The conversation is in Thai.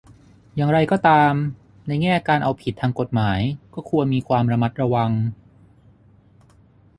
อย่างก็ตาม ในแง่การเอาผิดทางกฎหมายก็ควรมีความระมัดระวัง